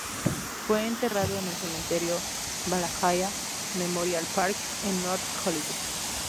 Fue enterrado en el Cementerio Valhalla Memorial Park, en North Hollywood.